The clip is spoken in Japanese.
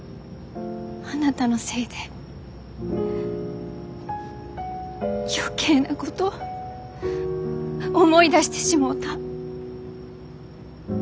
あなたのせいで余計なこと思い出してしもうた。